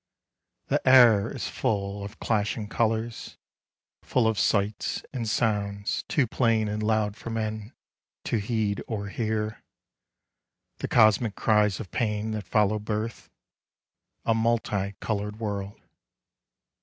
The air is full Of clashing colours, full of sights and sounds Too plain and loud for men to heed or hear, — The cosmic cries of pain that follow birth : A multi coloured world.